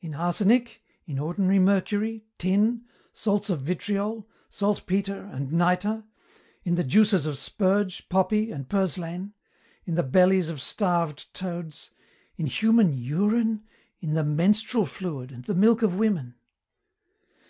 "In arsenic, in ordinary mercury, tin, salts of vitriol, saltpetre and nitre; in the juices of spurge, poppy, and purslane; in the bellies of starved toads; in human urine, in the menstrual fluid and the milk of women."